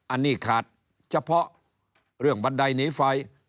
อันนี้ขาดเฉพาะเรื่องบันไดหนีไฟ